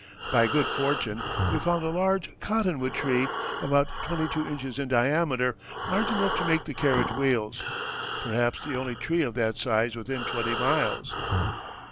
By good fortune they found a large cottonwood tree, about twenty two inches in diameter, large enough to make the carriage wheels, "perhaps the only tree of that size within twenty miles."